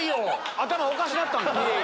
頭おかしなったんか？